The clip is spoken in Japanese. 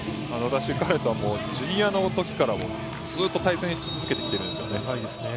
私、彼とはジュニアのときからずっと対戦し続けてきているんですよね。